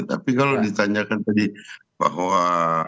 tapi kalau ditanyakan tadi bahwa